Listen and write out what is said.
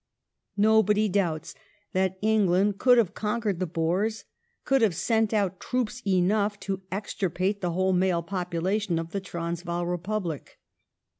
Nobody doubts that England could have conquered the Boers, could have sent out troops enough to extirpate the whole male popu lation of the Transvaal Republic.